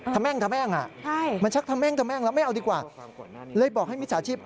ทำแม่งอ่ะมันชักทำแม่งแล้วไม่เอาดีกว่าเลยบอกให้มิจฉาชีพ